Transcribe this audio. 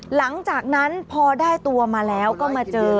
หลังจากนั้นพอได้ตัวมาแล้วก็มาเจอ